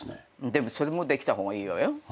でもそれもできた方がいいわよ。